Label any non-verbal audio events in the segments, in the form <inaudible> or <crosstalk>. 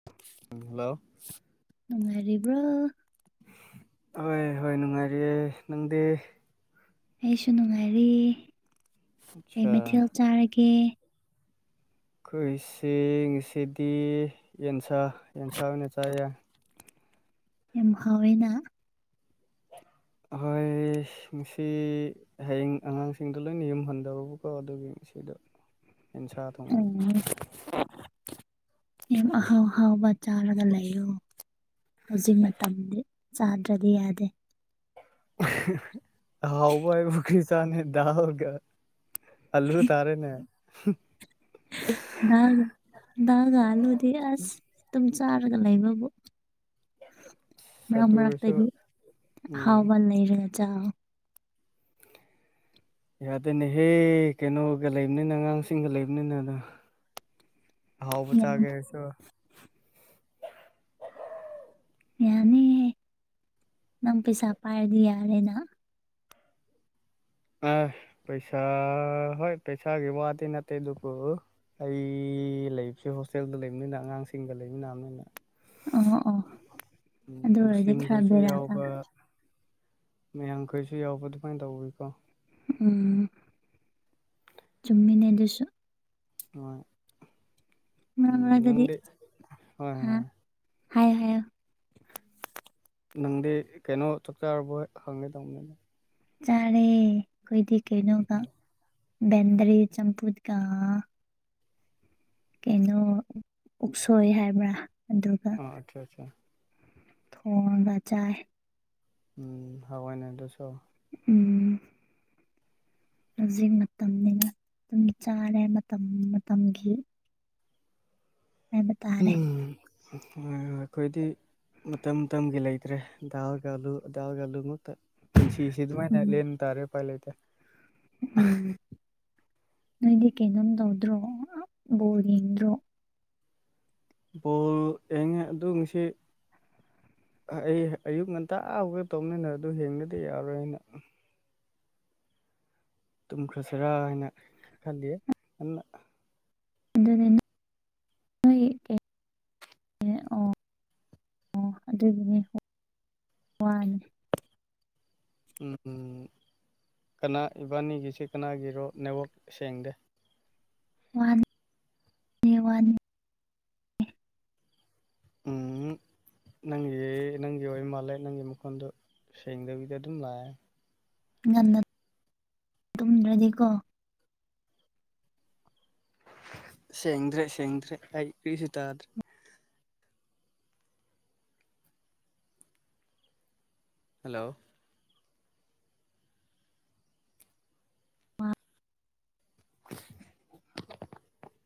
<inaudible> hello ꯅꯨꯉꯥꯏꯔꯤꯕ꯭ꯔꯣ ꯍꯣꯏ ꯍꯣꯏ ꯅꯨꯡꯉꯥꯏꯔꯤꯌꯦ ꯅꯪꯗꯤ ꯑꯩꯁꯨ ꯅꯨꯡꯉꯥꯏꯔꯤ ꯀꯩ ꯑꯠꯆꯥ ꯃꯊꯦꯜ ꯆꯥꯔꯒꯦ ꯈꯣꯏꯁꯦ ꯉꯁꯤꯗꯤ ꯌꯦꯟꯁꯥ ꯌꯦꯟꯁꯥ ꯑꯣꯏꯅ ꯆꯥꯏꯌꯦ ꯌꯥꯝ ꯍꯥꯎꯋꯦꯅ ꯑꯍꯣꯏ ꯉꯁꯤ ꯍꯌꯦꯡ ꯑꯉꯥꯡꯁꯤꯡꯗꯣ ꯂꯣꯏꯅ ꯌꯨꯝ ꯍꯟꯗꯧꯔꯕꯀꯣ ꯑꯗꯨꯒꯤ ꯁꯤꯗ ꯌꯦꯟꯁꯥ ꯊꯣꯡꯕꯤ ꯑꯣ ꯌꯥꯝ ꯑꯍꯥꯎ ꯍꯥꯎꯕ ꯆꯥꯔꯒ ꯂꯩ ꯌꯣ ꯍꯧꯖꯤꯛ ꯃꯇꯝꯗꯤ ꯆꯥꯗ꯭ꯔꯗꯤ ꯌꯥꯗꯦ ꯑꯍꯥꯎꯕ ꯍꯥꯏꯕꯨ ꯀ꯭ꯔꯤ ꯆꯅꯤ ꯗꯥꯜꯒ ꯑꯜꯂꯨ ꯇꯥꯔꯦꯅꯦ ꯗꯥꯜ ꯗꯥꯜ ꯒ ꯑꯜꯂꯨꯗꯤ ꯑꯁ ꯑꯗꯨꯝ ꯆꯥꯔꯒ ꯂꯩꯕꯕꯨ <inaudible> ꯃꯔꯛ ꯑꯗꯨ ꯑꯣꯏꯔꯁꯨ ꯃꯔꯛꯇꯗꯤ ꯎꯝ ꯑꯍꯥꯎꯕ ꯂꯩꯔꯒ ꯆꯥꯎ <inaudible> ꯌꯥꯗꯦꯅꯦꯍꯦ ꯀꯩꯅꯣꯒ ꯂꯩꯕꯅꯤꯅ ꯑꯉꯥꯡꯁꯤꯡꯒ ꯂꯩꯕꯅꯤꯅ ꯑꯗꯣ ꯑꯍꯥꯎꯕ ꯌꯥ- ꯆꯥꯒꯦ ꯍꯥꯏꯔꯁꯨ ꯌꯥꯅꯤ ꯅꯪ ꯄꯩꯁꯥ ꯄꯥꯏꯔꯗꯤ ꯌꯥꯔꯦꯅ ꯑꯥ ꯄꯩꯁꯥ ꯍꯣꯏ ꯄꯩꯁꯥꯒꯤ ꯋꯥꯗꯤ ꯅꯠꯇꯦ ꯑꯗꯨꯕꯨ ꯑꯩ ꯂꯩꯇ꯭ꯔꯦ ꯍꯣꯁꯇꯦꯜꯗ ꯂꯩꯕꯅꯤꯅ ꯑꯉꯥꯡꯁꯤꯡꯒ ꯂꯩꯃꯤꯅꯕꯅꯤꯅ ꯑꯣ ꯑꯣ ꯑꯗꯨ ꯑꯣꯏꯔꯗꯤ ꯃꯨꯁꯂꯤꯝ ꯈꯔ ꯈꯣꯏꯁꯨ ꯕꯦꯔꯥ ꯀꯥ ꯌꯥꯎꯕ ꯃꯌꯥꯡ ꯈꯣꯁꯨ ꯌꯥꯎꯕ ꯑꯗꯨꯃꯥꯏꯟ ꯇꯧꯕꯅꯤꯀꯣ ꯎꯝ ꯆꯨꯝꯃꯤꯅꯦ ꯑꯗꯨꯁꯨ ꯍꯣꯏ ꯃꯔꯛ ꯎꯝ ꯃꯔꯛꯇꯗꯤ ꯅꯪꯗꯤ ꯍꯣꯏ ꯍꯥ ꯍꯣꯏ ꯍꯥꯏꯌꯣ ꯍꯥꯏꯌꯣ ꯅꯪꯗꯤ ꯀꯩꯅꯣ ꯆꯛ ꯆꯔꯕꯣ ꯍꯪꯉꯦ ꯇꯧꯕꯅꯤꯗ ꯆꯥꯔꯦ ꯈꯣꯏꯗꯤ ꯀꯩꯅꯣꯒ ꯕꯦꯟꯗ꯭ꯔꯤ ꯆꯝꯐꯨꯠꯀꯥ ꯀꯩꯅꯣ ꯎꯛꯁꯣꯏ ꯍꯥꯏꯕ꯭ꯔꯥ ꯑꯗꯨꯒ ꯑꯥ ꯑꯠꯆꯥ ꯆꯥ ꯊꯣꯡꯉꯒ ꯆꯥꯏ ꯎꯝ ꯍꯧꯋꯦꯅꯦ ꯑꯗꯨꯁꯨ ꯎꯝ ꯍꯧꯖꯤꯛ ꯃꯇꯝꯅꯤꯅ ꯑꯗꯨꯒꯤ ꯆꯥꯔꯦ ꯃꯇꯝ ꯃꯇꯝꯒꯤ ꯍꯥꯏꯕ ꯇꯥꯔꯦ ꯎꯝ ꯍꯣꯏ ꯍꯣꯏ ꯈꯣꯏꯗꯤ ꯃꯇꯝ ꯃꯇꯝꯒꯤ ꯂꯩꯇ꯭ꯔꯦ ꯗꯥꯜꯒꯥ ꯑꯂꯨ ꯗꯥꯜꯒꯥ ꯑꯂꯨ ꯉꯛꯇ ꯄꯨꯟꯁꯤꯁꯤ ꯑꯗꯨꯃꯥꯏꯅ ꯎꯝ ꯂꯦꯟꯕ ꯇꯥꯔꯦ ꯎꯄꯥꯏ ꯂꯩꯇꯦ ꯎꯝ ꯅꯣꯏꯗꯤ ꯀꯩꯅꯣꯝ ꯇꯧꯗ꯭ꯔꯣ ꯕꯣꯜ ꯌꯦꯡꯗ꯭ꯔꯣ ꯕꯣꯜ ꯑꯦꯡꯉꯦ ꯑꯗꯨ ꯉꯁꯤ ꯑꯩ ꯑꯌꯨꯛ ꯉꯟꯇꯥ ꯍꯧꯒꯠ ꯇꯧꯃꯤꯟꯅ ꯑꯗꯨ ꯍꯦꯡꯗꯗꯤ ꯌꯥꯔꯣꯏ ꯍꯥꯏꯅ ꯇꯨꯝꯈ꯭ꯔꯁꯤꯔꯥ ꯍꯥꯏꯅ ꯈꯜꯂꯤꯌꯦ ꯉꯟꯅꯥ ꯑꯗꯨꯅꯦ ꯅꯣꯏ ꯑꯣ ꯑꯣ ꯑꯗꯨꯒꯤꯅꯦ ꯋꯥꯅꯤ ꯎꯝ ꯀꯅꯥ ꯏꯕꯥꯅꯤꯒꯤꯁꯤ ꯀꯅꯥꯒꯤꯔꯣ ꯅꯦꯠꯋꯥꯛ ꯁꯦꯡꯗꯦ ꯋꯥꯟ ꯅꯦꯋꯥꯟ ꯎꯝ ꯅꯪꯒꯤ ꯅꯪꯒꯤ ꯑꯣꯏ ꯃꯥꯜꯂꯦ ꯅꯪꯒꯤ ꯃꯈꯣꯟꯗꯣ ꯁꯦꯡꯗꯕꯤꯗ ꯑꯗꯨꯝ ꯂꯥꯛꯑꯦ ꯉꯟꯅ ꯇꯨꯝꯗ꯭ꯔꯗꯤꯀꯣ ꯁꯦꯡꯗ꯭ꯔꯦ ꯁꯦꯡꯗ꯭ꯔꯦ ꯑꯩ ꯀ꯭ꯔꯤꯁꯨ ꯇꯥꯗ꯭ꯔꯦ ꯍꯜꯂꯣ <inaudible>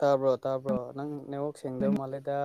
ꯇꯥꯕ꯭ꯔꯣ ꯇꯥꯕ꯭ꯔꯣ ꯅꯪ ꯅꯦꯋꯥꯛ ꯁꯦꯡꯗꯕ ꯃꯥꯜꯂꯦꯗ